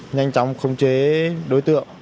nhanh chóng khống chế đối tượng